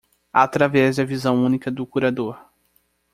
Através da visão única do curador